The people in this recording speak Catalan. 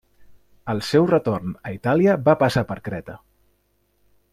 Al seu retorn a Itàlia va passar per Creta.